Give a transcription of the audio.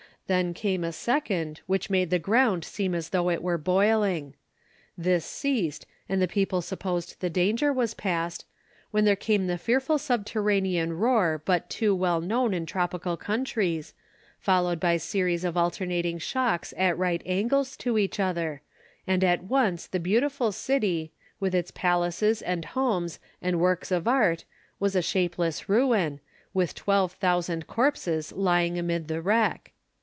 Then came a second, which made the ground seem as though it were boiling. This ceased, and the people supposed the danger was past, when there came the fearful subterranean roar but too well known in tropical countries, followed by series of alternating shocks at right angles to each other, and at once the beautiful city, with its palaces and homes and works of art was a shapeless ruin, with twelve thousand corpses lying amid the wreck.